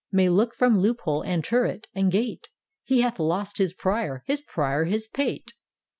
May look from loop hole, and turret, and gate. He hath lost hts Prior — his Prior his pate!